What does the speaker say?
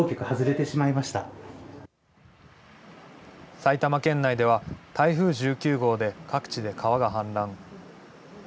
埼玉県内では台風１９号で各地で川が氾濫。